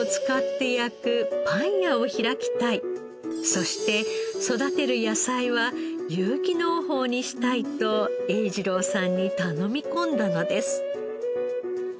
そして育てる野菜は有機農法にしたいと英次郎さんに頼み込んだのです。